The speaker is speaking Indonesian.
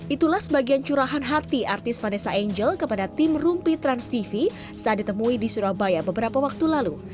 itulah sebagian curahan hati artis vanessa angel kepada tim rumpi transtv saat ditemui di surabaya beberapa waktu lalu